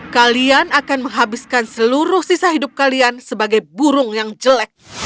kalian akan menghabiskan seluruh sisa hidup kalian sebagai burung yang jelek